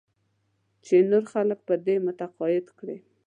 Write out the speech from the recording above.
چې نور خلک په دې متقاعد کړې.